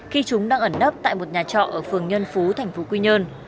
khi chúng đang ẩn nấp tại một nhà trọ ở phường nhân phú thành phố quy nhơn